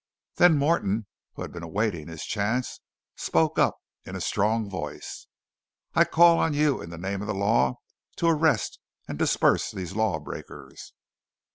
Then Morton, who had been awaiting his chance, spoke up in a strong voice. "I call on you in the name of the law to arrest and disperse these law breakers."